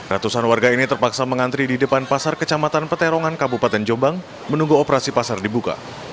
ratusan warga ini terpaksa mengantri di depan pasar kecamatan peterongan kabupaten jombang menunggu operasi pasar dibuka